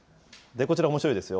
こちらおもしろいですよ。